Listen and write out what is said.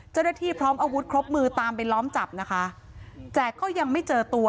เจ้าหน้าที่พร้อมอาวุธครบมือตามไปล้อมจับนะคะแต่ก็ยังไม่เจอตัว